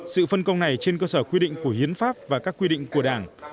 sự phân công này trên cơ sở quy định của hiến pháp và các quy định của đảng